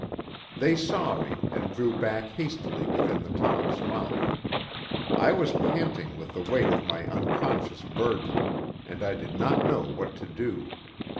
They saw me and drew back hastily within the tunnel's mouth. I was panting with the weight of my unconscious burden, and I did not know what to do.